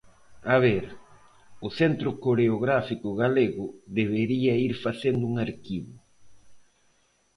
A ver, o Centro Coreográfico Galego debería ir facendo un arquivo.